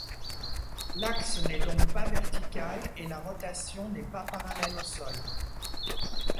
L'axe n'est donc pas vertical et la rotation n'est pas parallèle au sol.